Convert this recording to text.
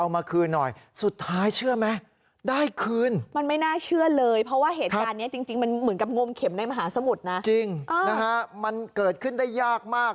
มันเกิดขึ้นได้ยากมาก